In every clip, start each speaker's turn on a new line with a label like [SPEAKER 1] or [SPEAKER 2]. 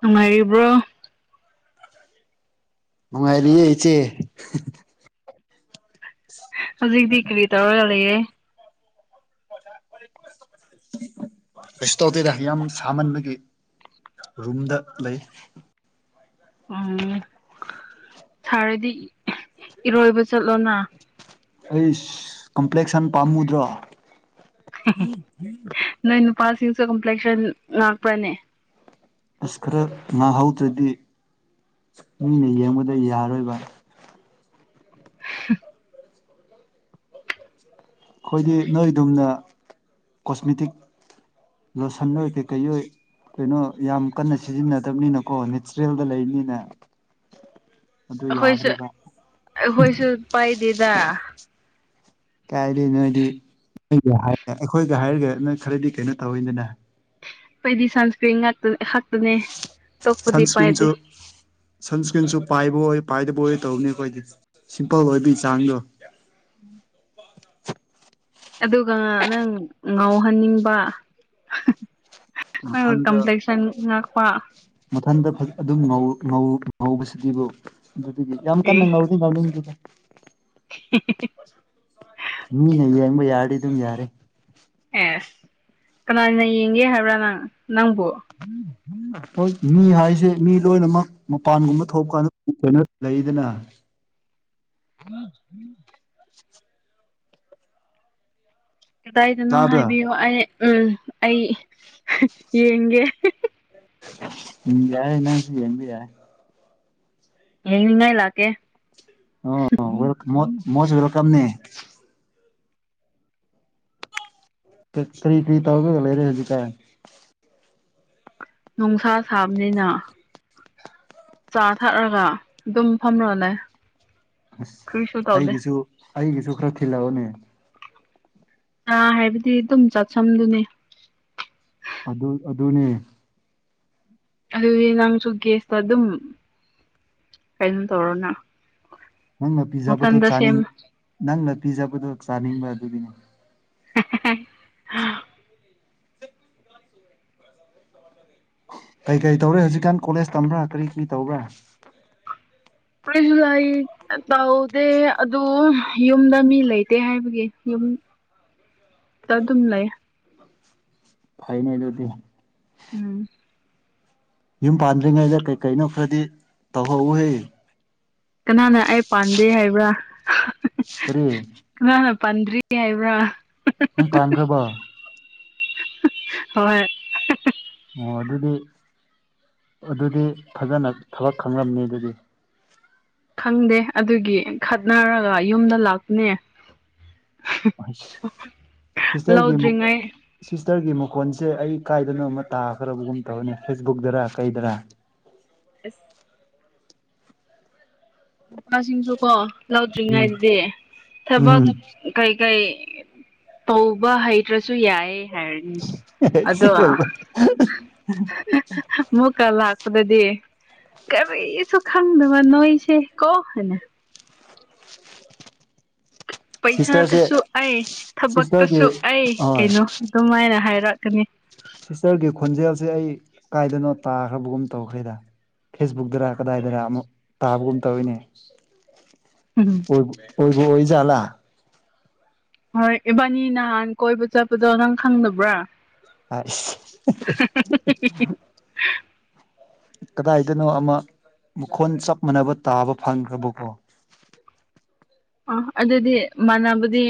[SPEAKER 1] ꯅꯨꯡꯉꯥꯏꯔꯤꯕ꯭ꯔꯣ꯫
[SPEAKER 2] ꯅꯨꯡꯉꯥꯏꯔꯤꯌ‌ꯦ ꯏꯆ‌ꯦ꯫
[SPEAKER 1] ꯍꯧꯖꯤꯛꯇꯤ ꯀ꯭ꯔꯤ ꯇꯧꯔꯒ ꯂꯩꯌꯦ꯫ [unintelligible]
[SPEAKER 2] ꯀꯩꯁꯨ ꯇꯧꯗ‌ꯦꯗ ꯌꯥꯝ ꯁꯥꯃꯟꯕꯒꯤ ꯔꯨꯝꯗ ꯂꯩ꯫
[SPEAKER 1] ꯎꯝ ꯁꯥꯔꯗꯤ ꯏꯔꯣꯏꯕ ꯆꯠꯂꯣꯅꯥ꯫
[SPEAKER 2] ꯍꯩꯁ ꯀꯝꯄ꯭ꯂꯦꯛꯁꯟ ꯄꯥꯝꯃꯨꯗ꯭ꯔꯣ꯫
[SPEAKER 1] ꯅꯣꯏ ꯅꯨꯄꯥꯁꯤꯡꯁꯨ ꯀꯝꯄ꯭ꯂꯦꯛꯁꯟ ꯉꯥꯛꯄ꯭ꯔꯅꯦ꯫
[SPEAKER 2] ꯑꯁ ꯈꯔ ꯉꯥꯏꯍꯧꯗ꯭ꯔꯗꯤ ꯃꯤꯅ ꯌꯦꯡꯕꯗ ꯌꯥꯔꯣꯏꯕ꯫
[SPEAKER 1] [unintelligible]
[SPEAKER 2] ꯑꯈꯣꯏꯗꯤ ꯅꯣꯏꯗꯨꯝꯅ ꯀꯣꯁꯃꯦꯇꯤꯛ ꯂꯣꯁꯟ ꯅꯣꯏ ꯀꯩꯀꯩꯑꫭꯏ ꯀꯩꯅꯣ ꯌꯥꯝ ꯀꯟꯅ ꯁꯤꯖꯤꯟꯅꯗꯕꯅꯤꯅꯀꯣ ꯅꯦꯆꯔꯦꯜꯗ ꯂꯩꯕꯅꯤꯅ ꯑꯗꯨ
[SPEAKER 1] ꯑꯈꯣꯏꯁꯨ
[SPEAKER 2] ꯌꯥꯗ꯭ꯔꯦꯕ
[SPEAKER 1] ꯑꯈꯣꯏꯁꯨ ꯄꯥꯏꯗꯦꯗ
[SPEAKER 2] ꯀꯥꯏꯗꯩ ꯅꯣꯏꯗꯤ [unintelligible] ꯑꯩꯈꯣꯏꯒ ꯍꯥꯏꯔꯒ ꯅꯣꯏ ꯈꯔꯗꯤ ꯀꯩꯅꯣ ꯇꯧꯋꯤꯗꯅ
[SPEAKER 1] ꯑꯩꯈꯣꯏꯗꯤ ꯁꯟꯀ꯭ꯔꯤꯡ ꯉꯥꯛꯇꯥ ꯑꯩꯍꯥꯛ
[SPEAKER 2] ꯁꯟꯁꯀ꯭ꯔꯤꯝꯖꯨ ꯁꯟꯁ꯭ꯀ꯭ꯔꯤꯟꯁꯨ ꯄꯥꯏꯕ ꯑꯣꯏ ꯄꯥꯏꯗꯕ ꯑꯣꯏ ꯇꯧꯕꯅꯤ ꯑꯩꯈꯣꯏꯗꯤ ꯁꯤꯝꯄꯜ ꯑꯣꯏꯕꯤ ꯆꯥꯡꯗꯣ
[SPEAKER 1] ꯎꯝ ꯑꯗꯨꯒꯉꯥ ꯅꯪ ꯉꯥꯎꯍꯟꯅꯤꯡꯕ ꯅꯪ ꯀꯝꯄ꯭ꯂꯦꯛꯁꯟ ꯉꯥꯛꯄ
[SPEAKER 2] ꯃꯊꯟꯇ ꯐꯠ ꯑꯗꯨꯝ ꯉꯧ ꯉꯧ ꯉꯧꯕꯁꯤꯗꯤꯕꯨ ꯑꯗꯨꯗꯒꯤ ꯌꯥꯝ ꯀꯟꯅ ꯉꯧ ꯑꯩ ꯉꯧꯅꯤꯡꯗꯦꯗ
[SPEAKER 1] [unintelligible]
[SPEAKER 2] ꯃꯤꯅ ꯌꯦꯡꯕ ꯌꯥꯔꯗꯤ ꯑꯗꯨꯝ ꯌꯥꯔꯦ
[SPEAKER 1] ꯑꯦꯁ ꯀꯅꯥꯅ ꯌꯦꯡꯒꯦ ꯍꯥꯏꯕ꯭ꯔꯥ ꯅꯪ ꯅꯪꯕꯨ
[SPEAKER 2] [inaudible] ꯍꯣꯏ ꯃꯤ ꯍꯥꯏꯁꯦ ꯃꯤ ꯂꯣꯏꯅꯃꯛ ꯃꯄꯥꯟꯒꯨꯝꯕ ꯊꯣꯞ ꯀꯥꯟꯗ ꯀꯩꯅꯣ ꯂꯩꯗꯅ
[SPEAKER 1] [inaudible]
[SPEAKER 2] [inaudible]
[SPEAKER 1] ꯀꯗꯥꯏꯗꯅꯣ
[SPEAKER 2] ꯇꯥꯕ꯭ꯔꯥ
[SPEAKER 1] ꯍꯥꯏꯕꯤꯌꯣ ꯑꯩ ꯎꯝ ꯑꯩ ꯌꯦꯡꯒꯦ
[SPEAKER 2] ꯎꯝ ꯌꯥꯏ ꯅꯪꯁꯨ ꯌꯦꯡꯕ ꯌꯥꯏ
[SPEAKER 1] ꯌꯦꯡꯅꯤꯡꯉꯥꯏ ꯂꯥꯛꯀꯦ
[SPEAKER 2] ꯑꯣ ꯋꯦꯜ ꯃꯣꯁ ꯃꯣꯁ ꯋꯦꯜꯀꯝ ꯅꯦ ꯀꯔꯤ ꯀ꯭ꯔꯤ ꯇꯧꯔꯒ ꯂꯩꯔꯦ ꯍꯨꯖꯤꯛꯀꯥꯟ
[SPEAKER 1] ꯅꯨꯡꯁꯥ ꯁꯥꯕꯅꯤꯅ ꯆꯥ ꯊꯛꯔꯥꯒ ꯑꯗꯨꯝ ꯐꯝꯔꯥꯒ ꯂꯩ
[SPEAKER 2] ꯑꯁ
[SPEAKER 1] ꯀꯔꯤꯁꯨ ꯇꯧꯗꯦ
[SPEAKER 2] ꯑꯩꯒꯤꯁꯨ ꯑꯩꯒꯤꯁꯨ ꯈꯔ ꯊꯤꯜꯂꯛꯑꯣꯅꯦ
[SPEAKER 1] ꯑꯥ ꯍꯥꯏꯕꯗꯤ ꯑꯗꯨꯝ ꯆꯠꯁꯝꯗꯨꯅꯦ
[SPEAKER 2] ꯑꯗꯨ ꯑꯗꯨꯅꯦ
[SPEAKER 1] ꯑꯗꯨꯗꯤ ꯅꯪꯁꯨ ꯒꯦꯁꯇꯥ ꯑꯗꯨꯝ ꯀꯩꯅꯣ ꯇꯧꯔꯣꯅ
[SPEAKER 2] ꯅꯪꯅ ꯄꯤꯖꯕꯗꯨ
[SPEAKER 1] ꯃꯊꯟꯗ ꯁꯦꯝ
[SPEAKER 2] ꯆꯥꯅꯤꯡ ꯅꯪꯅ ꯄꯤꯖꯕꯗꯨ ꯆꯥꯅꯤꯡꯕ ꯑꯗꯨꯒꯤꯅꯤ
[SPEAKER 1] [unintelligible]
[SPEAKER 2] ꯀꯩ ꯀꯩ ꯇꯧꯔꯦ ꯍꯨꯖꯤꯛꯀꯥꯟ ꯀꯣꯂꯦꯖ ꯇꯝꯕ꯭ꯔꯥ ꯀꯔꯤ ꯀꯔꯤ ꯇꯧꯕ꯭ꯔꯥ
[SPEAKER 1] ꯀ꯭ꯔꯤꯁꯨ ꯂꯩ ꯇꯧꯗꯦ ꯑꯗꯨ ꯌꯨꯝꯗ ꯃꯤ ꯂꯩꯇꯦ ꯍꯥꯏꯕꯒꯤ ꯌꯨꯝ ꯇꯥ ꯗꯨꯝ ꯂꯩ
[SPEAKER 2] ꯐꯩꯅꯦ ꯑꯗꯨꯗꯤ
[SPEAKER 1] ꯎꯝ
[SPEAKER 2] ꯌꯨꯝ ꯄꯥꯟꯗ꯭ꯔꯤꯉꯩꯗ ꯀꯩ ꯀꯩꯅꯣ ꯈꯔꯗꯤ ꯇꯧꯍꯧꯍꯦ
[SPEAKER 1] ꯀꯅꯥꯅ ꯑꯩ ꯄꯥꯟꯗꯦ ꯍꯥꯏꯕ꯭ꯔꯥ
[SPEAKER 2] ꯀꯔꯤ
[SPEAKER 1] ꯀꯅꯅꯥ ꯄꯟꯗ꯭ꯔꯤ ꯍꯥꯏꯕ꯭ꯔꯥ
[SPEAKER 2] ꯅꯪ ꯄꯟꯈ꯭ꯔꯥꯕꯣ
[SPEAKER 1] ꯍꯣꯏ
[SPEAKER 2] ꯑꯣ ꯑꯗꯨꯗꯤ ꯑꯗꯨꯗꯤ ꯐꯖꯅ ꯊꯕꯛ ꯈꯪꯂꯝꯅꯤ ꯑꯗꯨꯗꯤ
[SPEAKER 1] ꯈꯪꯗꯦ ꯑꯗꯨꯒꯤ ꯈꯠꯅꯔꯒ ꯌꯨꯝꯗ ꯂꯥꯛꯄꯅꯦ
[SPEAKER 2] ꯁꯤꯁꯇꯔꯒꯤ ꯃꯨꯛ
[SPEAKER 1] ꯂꯧꯗ꯭ꯔꯤꯉꯩ
[SPEAKER 2] ꯁꯤꯁꯇꯔꯒꯤ ꯃꯈꯣꯟꯁꯦ ꯑꯩ ꯀꯥꯏꯗꯅꯣ ꯑꯃ ꯇꯥꯈ꯭ꯔꯕꯒꯨꯝ ꯇꯧꯅꯤ ꯐꯦꯁꯕꯨꯛꯇꯔ ꯀꯩꯗꯔꯥ
[SPEAKER 1] [inaudible] ꯃꯁꯤꯡꯁꯨ ꯀꯣ ꯂꯧꯗ꯭ꯔꯤꯉꯩꯗꯗꯤ ꯊꯕꯛ ꯀꯩꯀꯩ ꯇꯧꯕ ꯍꯩꯇ꯭ꯔꯁꯨ ꯌꯥꯏꯌꯦ ꯍꯥꯏ ꯑꯗꯣ ꯑꯃꯨꯛꯀ ꯂꯥꯛꯄꯗꯗꯤ ꯀꯔꯤꯁꯨ ꯈꯪꯗꯕ ꯅꯣꯏꯁꯦ ꯀꯣ ꯍꯨꯅꯦ
[SPEAKER 2] ꯁꯤꯁꯇꯔꯁꯦ
[SPEAKER 1] ꯄꯩꯁꯥꯗꯁꯨ ꯑꯩ
[SPEAKER 2] ꯁꯤꯁꯇꯔꯒꯤ
[SPEAKER 1] ꯊꯕꯛꯇꯁꯨ ꯑꯩ
[SPEAKER 2] ꯍꯣꯏ
[SPEAKER 1] ꯀꯩꯅꯣ ꯑꯗꯨꯝꯃꯥꯏꯅ ꯍꯥꯏꯔꯛꯀꯅꯤ
[SPEAKER 2] ꯁꯤꯁꯇꯔꯒꯤ ꯈꯣꯟꯖꯦꯜꯁꯦ ꯑꯩ ꯀꯥꯏꯗꯅꯣ ꯇꯥꯈ꯭ꯔꯕꯒꯨꯝ ꯇꯧꯈ꯭ꯔꯦꯗ ꯐꯦꯁꯕꯨꯛꯇꯔ ꯀꯗꯥꯏꯗꯔ ꯑꯃꯨꯛ ꯇꯥꯕꯒꯨꯝ ꯇꯧꯋꯤꯅꯦ
[SPEAKER 1] ꯎꯝ
[SPEAKER 2] ꯑꯣꯏꯕꯨ ꯑꯣꯏ ꯖꯥꯠꯂꯥ
[SPEAKER 1] ꯍꯣꯏ ꯏꯕꯥꯅꯤ ꯅꯍꯥꯟ ꯀꯣꯏꯕ ꯆꯠꯄꯗꯣ ꯅꯪ ꯈꯪꯗꯕ꯭ꯔꯥ
[SPEAKER 2] ꯑꯁ
[SPEAKER 1] [unintelligible]
[SPEAKER 2] ꯀꯗꯥꯏꯗꯅꯣ ꯑꯃ ꯃꯈꯣꯟ ꯆꯞ ꯃꯥꯟꯅꯕ ꯇꯥꯕ ꯐꯪꯈ꯭ꯔꯕꯀꯣ
[SPEAKER 1] ꯑ ꯑꯗꯨꯗꯤ ꯃꯥꯟꯅꯕꯗꯤ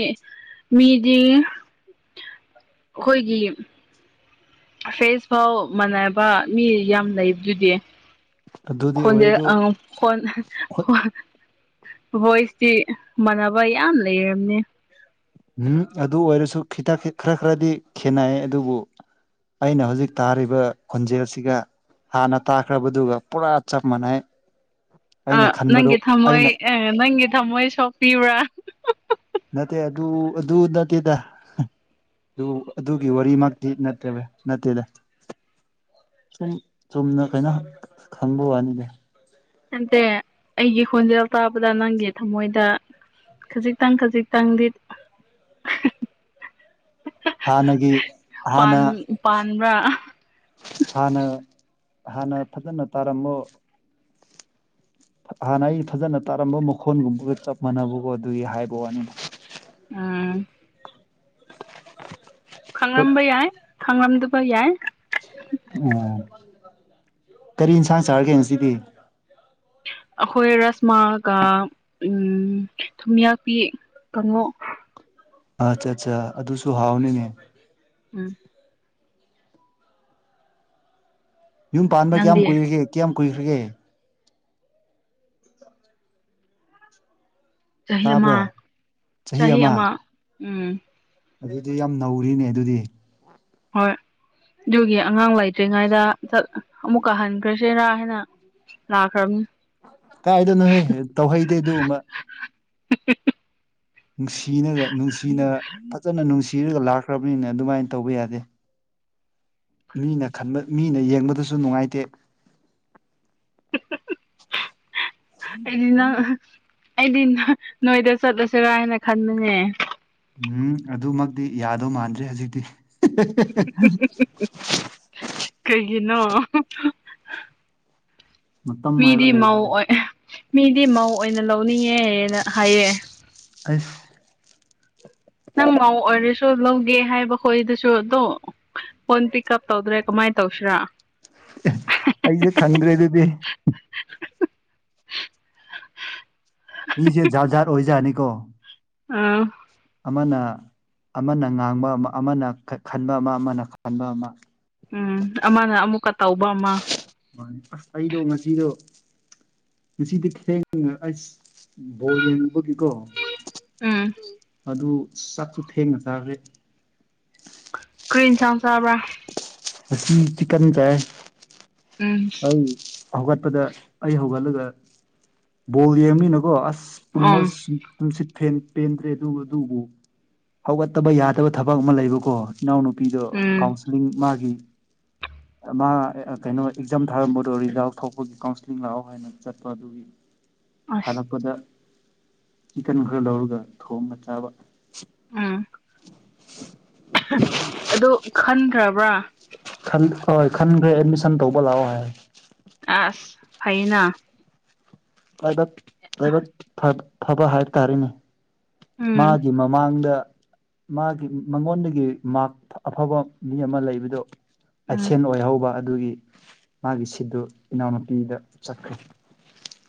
[SPEAKER 1] ꯃꯤꯗꯤ ꯑꯥꯈꯣꯏꯒꯤ ꯐꯔꯦꯁ ꯐꯥꯎ ꯃꯥꯟꯅꯕ ꯃꯤ ꯌꯥꯝ ꯂꯩꯕꯗꯨꯗꯤ
[SPEAKER 2] ꯑꯗꯨꯗꯤ ꯑꯣꯏ
[SPEAKER 1] ꯈꯣꯟꯗꯦ
[SPEAKER 2] ꯑꯗꯨ
[SPEAKER 1] ꯑ ꯐꯣꯟ ꯍꯣꯏ ꯕꯣꯏꯁꯇꯤ ꯃꯥꯟꯅꯕ ꯌꯥꯝ ꯂꯩꯔꯝꯅꯤ
[SPEAKER 2] ꯎꯝ ꯑꯗꯨ ꯑꯣꯏꯔꯁꯨ ꯈꯤꯇ ꯈꯔ ꯈꯔꯗꯤ ꯈꯦꯠꯅꯩ ꯑꯗꯨꯕꯨ ꯑꯩꯅ ꯍꯧꯖꯤꯛ ꯇꯥꯔꯤꯕ ꯈꯣꯟꯖꯦꯜꯁꯤꯒ ꯍꯥꯟꯅ ꯇꯥꯈ꯭ꯔꯕꯗꯨꯒ ꯄꯨꯔꯥ ꯆꯞ ꯃꯥꯟꯅꯩ ꯑꯩꯅ
[SPEAKER 1] ꯑ
[SPEAKER 2] ꯈꯟꯕꯗꯨ
[SPEAKER 1] ꯅꯪꯒꯤ ꯊꯝꯃꯣꯏ
[SPEAKER 2] ꯑꯩꯅ
[SPEAKER 1] ꯑ ꯅꯪꯒꯤ ꯊꯝꯃꯣꯏ ꯁꯣꯛꯄꯤꯕ꯭ꯔꯥ
[SPEAKER 2] ꯅꯠꯇꯦ ꯑꯗꯨ ꯑꯗꯨ ꯅꯠꯇꯦꯗ ꯑꯗꯨ ꯑꯗꯨꯒꯤ ꯋꯥꯔꯤꯃꯛꯇꯤ ꯅꯠꯇꯦꯕ ꯅꯠꯇꯦꯗ ꯁꯨꯝ ꯆꯨꯝꯅ ꯀꯩꯅꯣ ꯈꯪꯕ ꯋꯥꯅꯤꯅꯦ
[SPEAKER 1] [unintelligible] ꯇꯦ ꯑꯩꯒꯤ ꯍꯣꯟꯖꯤꯜ ꯇ ꯄꯗꯥ ꯅꯪꯒꯤ ꯊꯃꯣꯏꯗ ꯈꯖꯤꯛꯇꯪ ꯈꯖꯤꯛꯇꯪꯗꯤ [inaudible]
[SPEAKER 2] ꯍꯥꯟꯅꯒꯤ
[SPEAKER 1] ꯄꯥꯟ
[SPEAKER 2] ꯍꯥꯟꯅ
[SPEAKER 1] ꯄꯥꯟꯕ꯭ꯔꯥ
[SPEAKER 2] ꯍꯥꯟꯅ ꯍꯥꯟꯅ ꯐꯖꯅ ꯇꯥꯔꯝꯃꯣ ꯍꯥꯟꯅ ꯑꯩ ꯐꯖꯅ ꯇꯥꯔꯝꯕ ꯃꯈꯣꯟꯒꯨꯝꯕꯒ ꯆꯞ ꯃꯥꯟꯅꯕꯀꯣ ꯑꯗꯨꯒꯤ ꯍꯥꯏꯕ ꯋꯥꯅꯤ
[SPEAKER 1] ꯎꯝ ꯈꯪꯂꯝꯕ ꯌꯥꯏ ꯈꯪꯂꯝꯗꯕ ꯌꯥꯏ
[SPEAKER 2] ꯑꯣ ꯀꯔꯤ ꯏꯟꯁꯥꯡ ꯆꯥꯔꯒꯦ ꯉꯁꯤꯗꯤ
[SPEAKER 1] ꯑꯩꯈꯣꯏ ꯔꯁꯃꯥꯒ ꯎ ꯊꯨꯝꯌꯥꯛꯄꯤ ꯀꯥꯡꯉꯣ
[SPEAKER 2] ꯑꯠꯆꯥ ꯑꯠꯆꯥ ꯑꯗꯨꯁꯨ ꯍꯥꯎꯅꯤꯅꯦ
[SPEAKER 1] ꯎꯝ
[SPEAKER 2] ꯌꯨꯝ ꯄꯥꯟꯕ ꯀꯌꯥꯝ
[SPEAKER 1] ꯅꯪꯗꯤ
[SPEAKER 2] ꯀꯨꯏꯔꯒꯦ ꯀꯌꯥꯝ ꯀꯨꯏꯈ꯭ꯔꯒꯦ
[SPEAKER 1] ꯆꯍꯤ ꯑꯃ
[SPEAKER 2] ꯇꯥꯕ꯭ꯔꯣ
[SPEAKER 1] ꯆꯍꯤ ꯑꯃ ꯎꯝ
[SPEAKER 2] ꯑꯗꯨꯗꯤ ꯌꯥꯝ ꯅꯧꯔꯤꯅꯦ ꯑꯗꯨꯗꯤ
[SPEAKER 1] ꯍꯣꯏ ꯑꯗꯨꯒꯤ ꯑꯉꯥꯡ ꯂꯩꯇ꯭ꯔꯤꯉꯩꯗ ꯑꯃꯨꯛꯀꯥ ꯍꯟꯈ꯭ꯔꯁꯨ ꯆꯦꯔꯥ ꯍꯥꯏꯅ ꯂꯥꯛꯈ꯭ꯔꯕꯅꯤ
[SPEAKER 2] ꯀꯥꯏꯗꯅꯣꯍꯦ ꯇꯧꯍꯩꯗꯦ ꯑꯗꯨꯒꯨꯝꯕ ꯅꯨꯡꯁꯤꯅꯔ ꯅꯨꯡꯁꯤꯅ ꯐꯖꯅ ꯅꯨꯡꯁꯤꯔꯒ ꯂꯥꯛꯈ꯭ꯔꯕꯅꯤꯅ ꯑꯗꯨꯃꯥꯏꯅ ꯇꯧꯕ ꯌꯥꯗꯦ ꯃꯤꯅ ꯈꯟꯕ ꯃꯤꯅ ꯌꯦꯡꯕꯗꯁꯨ ꯅꯨꯡꯉꯥꯏꯇꯦ
[SPEAKER 1] ꯑꯩꯗꯤ ꯅꯪ ꯑꯩꯗꯤ ꯅꯣꯏꯗ ꯆꯠꯂꯁꯤꯔꯥ ꯍꯥꯏꯅ ꯈꯟꯕꯅꯦ
[SPEAKER 2] ꯎꯝ ꯑꯗꯨꯃꯛꯇꯤ ꯌꯥꯗꯧ ꯃꯥꯟꯗ꯭ꯔꯦ ꯍꯧꯖꯤꯛꯇꯤ
[SPEAKER 1] ꯀꯩꯒꯤꯅꯣ
[SPEAKER 2] ꯃꯇꯝ ꯍꯥꯏꯕ
[SPEAKER 1] ꯃꯤꯗꯤ ꯃꯧ
[SPEAKER 2] ꯂꯩꯗꯅ
[SPEAKER 1] ꯑꯣꯏ ꯃꯤꯗꯤ ꯃꯧ ꯑꯣꯏꯅ ꯂꯧꯅꯤꯡꯉꯦꯅ ꯍꯥꯏꯌꯦ
[SPEAKER 2] ꯑꯁ
[SPEAKER 1] ꯅꯪ ꯃꯧ ꯑꯣꯏꯔꯁꯨ ꯂꯧꯒꯦ ꯍꯥꯏꯕ ꯈꯣꯏꯗꯨꯁꯨ ꯇꯣ ꯐꯣꯟ ꯄꯤꯛ ꯎꯞ ꯇꯧꯗ꯭ꯔꯦ ꯀꯃꯥꯏ ꯇꯧꯁꯤꯔꯥ
[SPEAKER 2] ꯑꯩꯖꯨ ꯈꯪꯗ꯭ꯔꯦ ꯑꯗꯨꯗꯤ ꯃꯤꯖꯦ ꯖꯥꯠ ꯖꯥꯠ ꯑꯣꯏꯖꯥꯠꯅꯤꯀꯣ
[SPEAKER 1] ꯑꯥ
[SPEAKER 2] ꯑꯃꯅꯥ ꯑꯃꯅ ꯉꯥꯡꯕ ꯑꯃ ꯑꯃꯅ ꯈ ꯈꯟꯕ ꯑꯃ ꯑꯃꯅ ꯈ ꯑꯟꯕ ꯑꯃ
[SPEAKER 1] ꯎꯝ ꯑꯃꯅ ꯑꯃꯨꯛꯀ ꯇꯧꯕ ꯑꯃ
[SPEAKER 2] ꯃꯥꯅꯤ ꯑꯁ ꯑꯩꯗꯣ ꯉꯁꯤꯗꯣ ꯉꯁꯤꯗꯤ ꯊꯦꯡ ꯉ ꯑꯁ ꯕꯣꯜ ꯌꯦꯡꯉꯨꯕꯒꯤ ꯀꯣ
[SPEAKER 1] ꯎꯝ
[SPEAKER 2] ꯑꯗꯨ ꯆꯥꯛꯁꯨ ꯊꯦꯡꯅ ꯆꯥꯒ꯭ꯔꯦ
[SPEAKER 1] ꯀ꯭ꯔꯤ ꯏꯟꯁꯥꯡ ꯆꯥꯕ꯭ꯔꯥ
[SPEAKER 2] ꯉꯁꯤ ꯆꯤꯛꯀꯟ ꯆꯥꯌꯦ
[SPEAKER 1] ꯎꯝ
[SPEAKER 2] ꯑꯩ ꯍꯧꯒꯠꯄꯗ ꯑꯩ ꯍꯧꯒꯠꯂꯒ ꯕꯣꯜ ꯌꯦꯡꯃꯤꯅꯀꯣ ꯑꯁ
[SPEAKER 1] ꯑꯣ
[SPEAKER 2] ꯇꯨꯝꯃꯁ ꯇꯨꯝꯁꯤꯠ ꯐꯦꯟ ꯄꯦꯟꯗ꯭ꯔꯦ ꯑꯗꯨ ꯑꯗꯨꯕꯨ ꯍꯧꯒꯠꯇꯕ ꯌꯥꯗꯕ ꯊꯕꯛ ꯑꯃ ꯂꯩꯕꯀꯣ ꯏꯅꯥꯎꯅꯨꯄꯤꯗꯣ
[SPEAKER 1] ꯎꯝ
[SPEAKER 2] ꯀꯥꯎꯟꯁꯤꯂꯤꯡ ꯃꯥꯒꯤ ꯑ ꯃꯥ ꯑ ꯀꯩꯅꯣ ꯑꯦꯛꯖꯥꯝ ꯊꯥꯔꯝꯕꯗꯣ ꯔꯤꯖꯟ ꯑꯥꯎꯠ ꯊꯣꯛꯄꯒꯤ ꯀꯥꯎꯟꯁꯤꯂꯤꯡ ꯂꯥꯛꯑꯣ ꯍꯥꯏꯅ ꯆꯠꯄ ꯑꯗꯨꯒꯤ
[SPEAKER 1] ꯑꯁ
[SPEAKER 2] ꯍꯜꯂꯛꯄꯗ ꯆꯤꯀꯟ ꯈꯔ ꯂꯧꯔꯒ ꯊꯣꯡꯉ ꯆꯥꯕ
[SPEAKER 1] ꯎꯝ
[SPEAKER 2] [unintelligible]
[SPEAKER 1] ꯍ ꯑꯗꯨ ꯈꯟꯈ꯭ꯔꯕ꯭ꯔꯥ
[SPEAKER 2] ꯈꯟ ꯍꯣꯏ ꯈꯟꯒ꯭ꯔꯦ ꯑꯦꯗꯃꯤꯁꯟ ꯇꯧꯕ ꯂꯥꯛꯑꯣ ꯍꯥꯏ
[SPEAKER 1] ꯑꯁ ꯐꯩꯅ
[SPEAKER 2] ꯄꯥꯏꯕꯛ ꯂꯥꯏꯕꯛ ꯐ ꯐꯕ ꯍꯥꯏꯕ ꯇꯥꯔꯦ
[SPEAKER 1] ꯎꯝ
[SPEAKER 2] ꯃꯥꯒꯤ ꯃꯃꯥꯡꯗ ꯃꯥꯒꯤ ꯃꯉꯣꯟꯗꯒꯤ ꯃꯥꯛ ꯑꯐꯕ ꯃꯤ ꯑꯃ ꯂꯩꯕꯗꯣ
[SPEAKER 1] ꯎꯝ
[SPEAKER 2] ꯑꯦꯞꯁꯦꯟ ꯑꯣꯏꯍꯧꯕ ꯑꯗꯨꯒꯤ ꯃꯥꯒꯤ ꯁꯤꯠꯇꯨ ꯏꯅꯥꯎꯅꯨꯄꯤꯗ ꯆꯠꯈ꯭ꯔꯦ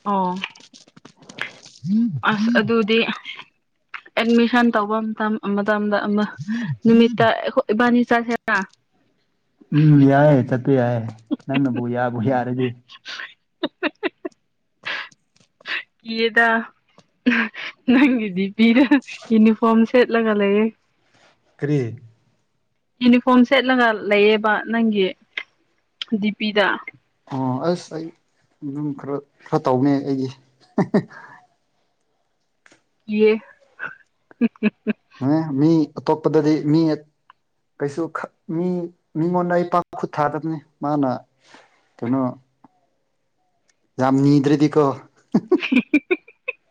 [SPEAKER 1] ꯑꯣ ꯑꯁ ꯑꯗꯨꯗꯤ ꯑꯦꯗꯃꯤꯁꯟ ꯇꯧꯕ ꯃꯇꯝ ꯃꯇꯝꯗ ꯑꯃ ꯅꯨꯃꯤꯠꯇ ꯑꯩꯈꯣ ꯏꯕꯥꯅꯤ ꯆꯠꯁꯦ ꯔ
[SPEAKER 2] ꯎꯝ ꯌꯥꯏ ꯆꯠꯄ ꯌꯥꯏ ꯅꯪꯅꯕꯨ ꯌꯥꯕꯨ ꯌꯥꯔꯗꯤ
[SPEAKER 1] ꯀꯤꯔꯦꯗꯥ ꯅꯪꯒꯤꯗꯤ ꯄꯤꯔ ꯏꯅꯤꯐ꯭ꯣꯔꯝ ꯁꯦꯠꯂꯒ ꯂꯩꯌꯦ
[SPEAKER 2] ꯀꯔꯤ
[SPEAKER 1] ꯏꯅꯤꯐ꯭ꯣꯔꯝ ꯁꯦꯠꯂꯒ ꯂꯩꯌꯦꯕ ꯅꯪꯒꯤ ꯗꯤ ꯄꯤꯗ
[SPEAKER 2] ꯑꯣ ꯑꯁ ꯑꯩ ꯗꯨꯝ ꯈꯔ ꯈꯔ ꯇꯧꯕꯅꯦ ꯑꯩꯒꯤ
[SPEAKER 1] ꯀꯤꯌꯦ
[SPEAKER 2] [unintelligible] ꯃꯤ ꯑꯇꯣꯞꯄꯗꯗꯤ ꯃꯤ ꯀꯩꯁꯨ ꯈꯠ ꯃꯤ ꯃꯤꯉꯣꯟꯗ ꯑꯩ ꯄꯥꯛ ꯈꯨꯠ ꯊꯥꯗꯕꯅꯤ ꯃꯥꯅ ꯀꯩꯅꯣ ꯌꯥꯝ ꯅꯤꯗ꯭ꯔꯥꯗꯤꯀꯣ
[SPEAKER 1] [unintelligible]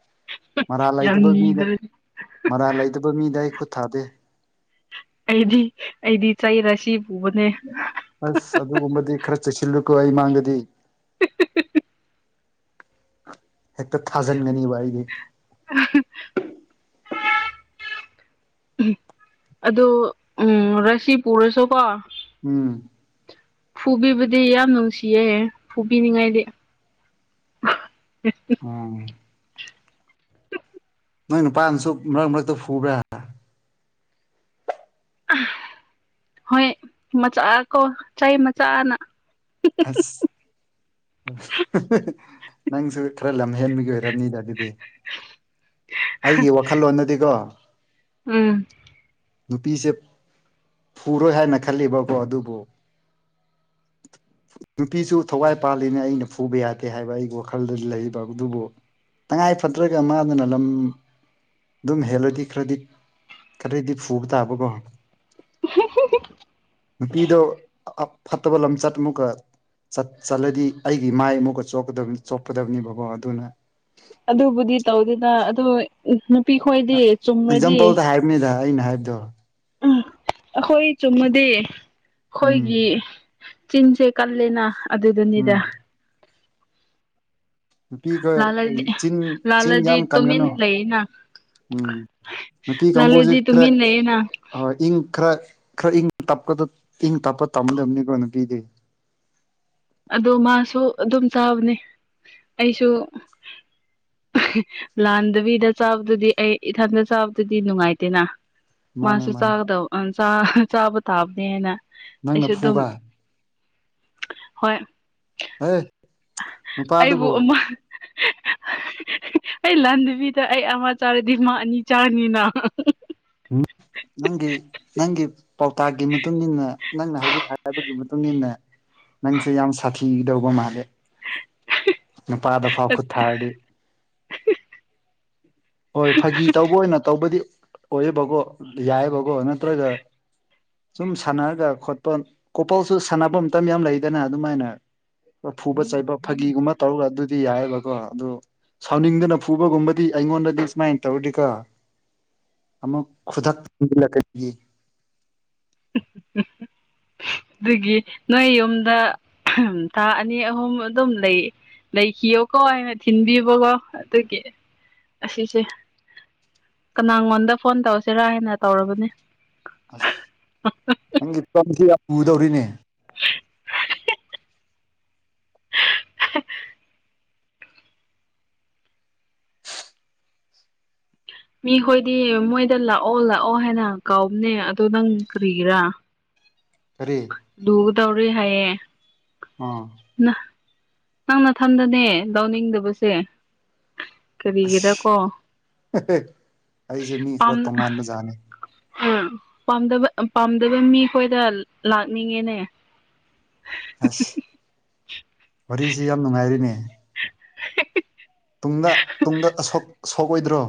[SPEAKER 2] ꯃꯔꯥꯜ
[SPEAKER 1] ꯌꯥꯝ
[SPEAKER 2] ꯂꯩꯇꯕ ꯃꯤꯗ
[SPEAKER 1] ꯅꯤꯗ꯭ꯔꯗꯤ
[SPEAKER 2] ꯃꯔꯥꯜ ꯂꯩꯇꯕ ꯃꯤꯗ ꯑꯩ ꯈꯨꯠ ꯊꯥꯗꯦ
[SPEAKER 1] ꯑꯩꯗꯤ ꯑꯩꯗꯤ ꯆꯩꯔꯁꯤ
[SPEAKER 2] ꯑꯁ ꯑꯗꯨꯒꯨꯝꯕꯗꯤ ꯈꯔ ꯆ‌ꯦꯁꯤꯜꯂꯨꯀꯣ ꯑꯩ ꯃꯥꯡꯗꯗꯤ
[SPEAKER 1] [unintelligible]
[SPEAKER 2] ꯍꯦꯛꯇ ꯊꯥꯖꯤꯟꯒꯅꯤꯕ ꯑꯩꯗꯤ
[SPEAKER 1] [unintelligible] ꯑꯗ‌ꯣ ꯎꯝ ꯔꯁꯤ ꯄꯨꯔꯁꯨꯀꯣ
[SPEAKER 2] ꯎꯝ
[SPEAKER 1] ꯐꯨꯕꯤꯕꯗꯤ ꯌꯥꯝ ꯅꯨꯡꯁꯤꯌꯦ ꯐꯨꯕꯤꯅꯤꯡꯉꯥꯏꯗꯤ
[SPEAKER 2] ꯑꯪ ꯅꯪ ꯅꯨꯄꯥꯅꯁꯨ ꯃꯔꯛ ꯃꯔꯛꯇ ꯐꯨꯕ꯭ꯔꯥ
[SPEAKER 1] ꯍꯣꯏ ꯃꯆꯥ ꯀꯣ ꯆꯩ ꯃꯆꯥꯅ
[SPEAKER 2] ꯑꯁ ꯅꯪꯁꯨ ꯈꯔ ꯂꯝꯍꯦꯟꯕꯒꯤ ꯑꯣꯏꯔꯝꯅꯤꯗꯥ ꯑꯗꯨꯗꯤ ꯑꯩꯒꯤ ꯋꯥꯈꯜꯂꯣꯟꯗꯗꯤꯒ‌ꯣ
[SPEAKER 1] ꯎꯝ
[SPEAKER 2] ꯅꯨꯄꯤꯁꯦ ꯐꯨꯔꯣꯏ ꯍꯥꯏꯅ ꯈꯜꯂꯤꯕꯀꯣ ꯑꯗꯨꯕꯨ ꯅꯨꯄꯤꯁꯨ ꯊꯋꯥꯏ ꯄꯥꯜꯂꯤꯅꯦ ꯑꯩꯅ ꯐꯨꯕ ꯌꯥꯗꯦ ꯍꯥꯏꯕ ꯑꯩ ꯋꯥꯈꯜꯗ ꯂꯩꯕ ꯑꯗꯨꯕꯨ ꯇꯉꯥꯏ ꯐꯗ꯭ꯔꯒ ꯃꯥꯗꯅ ꯂꯝ ꯗꯨꯝ ꯍꯦꯜꯂꯗꯤ ꯈꯔꯗꯤ ꯈꯔꯗꯤ ꯐꯨꯕ ꯇꯥꯕꯀꯣ ꯅꯨꯄꯤꯗꯣ ꯑ ꯐꯠꯇꯕ ꯂꯝꯆꯠ ꯑꯃꯨꯛꯀ ꯆꯠ ꯆꯠꯂꯗꯤ ꯑꯩꯒꯤ ꯃꯥꯏ ꯑꯃꯨꯛꯀ ꯆ‌ꯣꯞꯀꯗꯕ ꯆꯣꯞꯀꯗꯕꯅꯤꯕꯀ‌ꯣ ꯑꯗꯨꯅ
[SPEAKER 1] ꯑꯗꯨꯕꯨꯗꯤ ꯇꯧꯗꯦꯗ ꯑꯗꯨ ꯅꯨꯄꯤ ꯈꯣꯏꯗꯤ ꯆꯨꯝꯔꯗꯤ
[SPEAKER 2] ꯅꯦꯗ ꯑꯩꯅ ꯍꯥꯏꯕꯗꯣ
[SPEAKER 1] ꯎꯝ ꯑꯈꯣꯏ ꯆꯨꯝꯃꯗꯤ
[SPEAKER 2] ꯎꯝ
[SPEAKER 1] ꯈꯣꯏꯒꯤ ꯆꯤꯟꯁ‌ꯦ ꯀꯜꯂ‌ꯦꯅꯥ
[SPEAKER 2] ꯎꯝ
[SPEAKER 1] ꯑꯗꯨꯗꯨꯅꯤꯗꯥ
[SPEAKER 2] ꯅꯨꯄꯤꯈ‌ꯣꯏ
[SPEAKER 1] ꯂꯥꯜꯂꯗꯤ
[SPEAKER 2] ꯆꯤꯟ ꯆꯤꯟ
[SPEAKER 1] ꯂꯥꯜꯂꯗꯤ
[SPEAKER 2] ꯌꯥꯝ
[SPEAKER 1] ꯇꯨꯃꯤꯟ
[SPEAKER 2] ꯀꯟꯒꯅꯨ
[SPEAKER 1] ꯂꯩꯌꯦꯅ
[SPEAKER 2] ꯎꯝ ꯅꯨꯄꯤ ꯀꯥꯡꯕꯨꯖ‌ꯦ
[SPEAKER 1] ꯂꯥꯜꯂꯗꯤ
[SPEAKER 2] ꯈꯔ
[SPEAKER 1] ꯇꯨꯃꯤꯟ ꯂꯩꯌꯦꯅ
[SPEAKER 2] ꯍꯣꯏ ꯏꯪ ꯈꯔ ꯈꯔ ꯏꯪ ꯇꯞꯄꯗ‌ꯣ ꯏꯪ ꯇꯞꯄ ꯇꯝꯗꯝꯅ‌ꯦꯀꯣ ꯅꯨꯄꯤꯗꯤ
[SPEAKER 1] ꯑꯗꯣ ꯃꯥꯁꯨ ꯑꯗꯨꯝ ꯆꯥꯕꯅꯦ ꯑꯩꯁꯨ ꯂꯥꯟꯗꯕꯤꯗ ꯆꯥꯕꯗꯨꯗꯤ ꯑꯩ ꯏꯊꯟꯗ ꯆꯥꯕꯗꯨꯗꯤ ꯅꯨꯡꯉꯥꯏꯇꯦꯅꯥ
[SPEAKER 2] ꯃꯥꯅꯦ
[SPEAKER 1] ꯃꯥꯁꯨ
[SPEAKER 2] ꯃꯥꯅꯦ
[SPEAKER 1] ꯆꯥꯒꯗꯧ ꯑꯥ ꯆꯥ ꯆꯥꯕ ꯇꯥꯕꯅꯦꯅ
[SPEAKER 2] ꯅꯪꯅ
[SPEAKER 1] ꯑꯩꯁꯨ ꯗꯨꯝ
[SPEAKER 2] ꯐꯨꯕ
[SPEAKER 1] ꯍꯣꯏ
[SPEAKER 2] [unintelligible]
[SPEAKER 1] ꯑꯩꯕꯨ
[SPEAKER 2] ꯅꯨꯄꯥꯗꯨꯕꯨ
[SPEAKER 1] ꯎꯃꯥ ꯑꯩ ꯂꯥꯟꯗꯕꯤꯗ ꯑꯩ ꯑꯃ ꯆꯥꯔꯗꯤ ꯃꯥ ꯑꯅꯤ ꯆꯥꯅꯤꯅꯥ
[SPEAKER 2] ꯎꯝ ꯅꯪꯒꯤ ꯅꯪꯒꯤ ꯄꯥꯎꯇꯥꯛꯀꯤ ꯃꯇꯨꯡ ꯃꯇꯨꯡꯏꯟꯅ ꯅꯪꯅ ꯍꯧꯖꯤꯛ ꯍꯥꯏꯕꯒꯤ ꯃꯇꯨꯡꯏꯟꯅ ꯅꯪꯁꯦ ꯌꯥꯝ ꯁꯥꯊꯤꯒꯗꯧꯕ ꯃꯥꯜꯂꯦ ꯅꯨꯄꯥꯗ ꯐꯥꯎ ꯈꯨꯠ ꯊꯥꯔꯗꯤ ꯍꯣꯏ ꯐꯥꯒꯤ ꯇꯧꯕ ꯑꯣꯏꯅ ꯇꯧꯕꯗꯤ ꯑꯣꯏꯌꯦꯕꯀꯣ ꯌꯥꯏꯌꯦꯕꯀꯣ ꯅꯠꯇ꯭ꯔꯒ ꯁꯨꯝ ꯁꯥꯟꯅꯔꯒ ꯈꯣꯠꯄ ꯀꯣꯄꯜꯁꯨ ꯁꯥꯟꯅꯕ ꯃꯇꯝ ꯌꯥꯝ ꯂꯩꯗꯅ ꯑꯗꯨꯃꯥꯏꯅ ꯐꯨꯕ ꯆꯩꯕ ꯐꯥꯒꯤꯒꯨꯝꯕ ꯇꯧꯔꯒ ꯑꯗꯨꯗꯤ ꯌꯥꯏꯑꯦꯕꯀꯣ ꯑꯗꯨ ꯁꯥꯎꯅꯤꯡꯗꯅ ꯐꯨꯕꯒꯨꯝꯕꯗꯤ ꯑꯩꯉꯣꯟꯗ ꯁꯨꯃꯥꯏꯅ ꯇꯧꯔꯗꯤ ꯀꯣ ꯑꯃꯨꯛ ꯈꯨꯗꯛꯇ ꯂꯛꯀꯅꯤ
[SPEAKER 1] [unintelligible] ꯑꯗꯨꯒꯤ ꯅꯣꯏ ꯌꯨꯝꯗ ꯊꯥ ꯑꯅꯤ ꯑꯍꯨꯝ ꯑꯗꯨꯝ ꯂꯩ ꯂꯩꯈꯤꯌꯣꯀꯣ ꯍꯥꯏꯅ ꯊꯤꯟꯕꯤꯕꯀꯣ ꯑꯗꯨꯒꯤ ꯑꯁꯤꯁꯦ ꯀꯅꯥꯉꯣꯟꯗ ꯐꯣꯟ ꯇꯧꯁꯤꯔꯥ ꯍꯥꯏꯅ ꯇꯧꯔꯕꯅꯦ
[SPEAKER 2] ꯅꯪꯒꯤ ꯇꯁꯤ ꯌꯥꯝ ꯄꯨꯗꯧꯔꯤꯅꯦ
[SPEAKER 1] ꯃꯤꯈꯣꯏꯗꯤ ꯃꯣꯏꯗ ꯂꯥꯛꯑꯣ ꯂꯥꯛꯑꯣ ꯍꯥꯏꯅ ꯀꯥꯎꯕꯅꯦ ꯑꯗꯨꯗ ꯅꯪ ꯀꯔꯤꯒꯤꯔꯥ
[SPEAKER 2] ꯀꯔꯤ
[SPEAKER 1] ꯇꯨ ꯇꯧꯔꯤ ꯍꯥꯏꯌꯦ
[SPEAKER 2] ꯑꯥ
[SPEAKER 1] ꯅꯪ ꯅꯊꯟꯗꯅꯦ ꯇꯧꯅꯤꯡꯗꯕꯁꯦ ꯀꯔꯤꯒꯤꯔ ꯀꯣ
[SPEAKER 2] ꯑꯁ ꯑꯩꯁꯦ ꯃꯤ ꯈꯔ
[SPEAKER 1] ꯑꯝ
[SPEAKER 2] ꯇꯣꯉꯥꯟꯕ ꯖꯥꯠꯅꯤ
[SPEAKER 1] ꯎꯝ ꯄꯥꯝꯗꯕ ꯄꯥꯝꯗꯕ ꯃꯤꯈꯣꯏꯗ ꯂꯥꯛꯅꯤꯡꯉꯦꯅꯦ
[SPEAKER 2] ꯑꯁ ꯋꯥꯔꯤꯁꯤ ꯌꯥꯝ ꯅꯨꯡꯉꯥꯏꯔꯤꯅꯦ
[SPEAKER 1] [unintelligible]
[SPEAKER 2] ꯇꯨꯡꯗ ꯇꯨꯡꯗ ꯑꯁ ꯑꯁꯣꯛ ꯑꯣꯏꯗ꯭ꯔꯣ